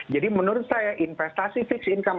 jadi menurut saya investasi fixed income